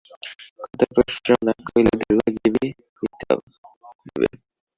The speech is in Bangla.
কঠোর পরিশ্রম না করিলে দীর্ঘজীবী হইবে।